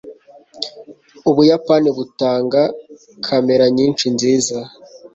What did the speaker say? Ubuyapani butanga kamera nyinshi nziza